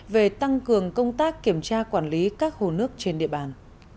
về tăng cường công tác kiểm tra quản lý các hồ nước trên địa bàn